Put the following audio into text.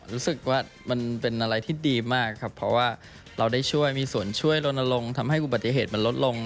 รู้สึกว่ามันเป็นอะไรที่ดีมากครับเพราะว่าเราได้ช่วยมีส่วนช่วยลนลงทำให้อุบัติเหตุมันลดลง